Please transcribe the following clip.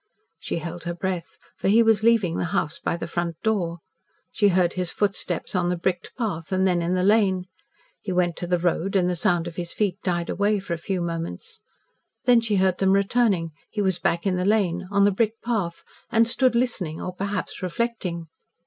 She held her breath, for he was leaving the house by the front door. She heard his footsteps on the bricked path, and then in the lane. He went to the road, and the sound of his feet died away for a few moments. Then she heard them returning he was back in the lane on the brick path, and stood listening or, perhaps, reflecting.